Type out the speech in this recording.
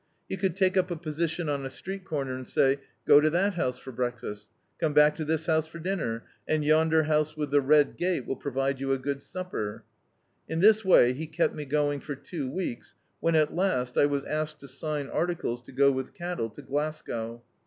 He could take up a position on a street cor ner, and say — "Go to that house for breakfast; come back to this house for dinner, and yonder house with the red gate will provide you a good supper." In this way he kept me going for two weeks when, at last, I was asked to sign articles to go with cattle to Glasgow.